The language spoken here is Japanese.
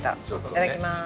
いただきます。